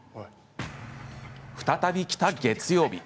再び来た月曜日。